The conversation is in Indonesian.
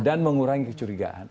dan mengurangi kecurigaan